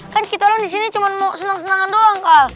kan kita orang disini cuma mau senang senangan doang kak